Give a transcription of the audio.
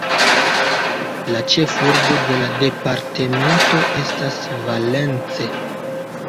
La ĉefurbo de la departemento estas Valence.